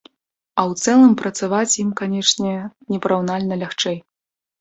А ў цэлым працаваць ім, канечне, непараўнальна лягчэй.